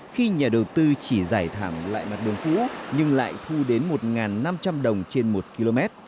khi nhà đầu tư chỉ giải thẳng lại mặt đường cũ nhưng lại thu đến một năm trăm linh đồng trên một km